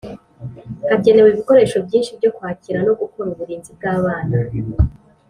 Hakenewe ibikoresho byinshi byo kwakira no gukora uburinzi bw’abana